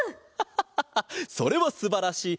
ハハハハそれはすばらしい。